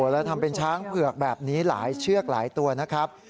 แล้วทำเป็นช้างเผือกแบบนี้หลายเชือกหลายตัวนะครับ